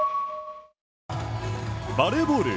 バレーボール